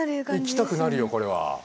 行きたくなるよこれは。